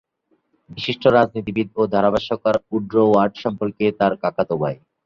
বিশিষ্ট রাজনীতিবিদ ও ধারাভাষ্যকার উড্রো ওয়াট সম্পর্কে তার কাকাতো ভাই।